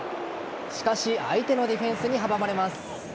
しかし相手のディフェンスに阻まれます。